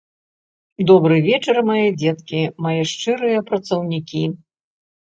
Добры вечар, мае дзеткі, мае шчырыя працаўнікі.